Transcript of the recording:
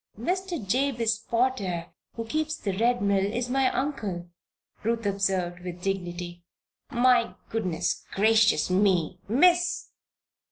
"Mr. Jabez Potter, who keeps the Red Mill, is my uncle," Ruth observed, with dignity. "My goodness gracious me, Miss!